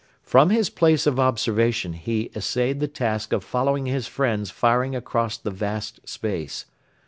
From his place of observation he essayed the task of following his friends firing across the vast space.